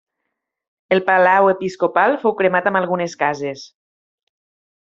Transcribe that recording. El palau episcopal fou cremat amb algunes cases.